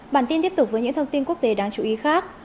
bản tin tiếp tục với những thông tin quốc tế đáng chú ý khác